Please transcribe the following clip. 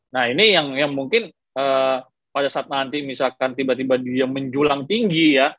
nah ini yang mungkin pada saat nanti misalkan tiba tiba dia menjulang tinggi ya